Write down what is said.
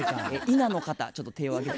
否の方ちょっと手を挙げて。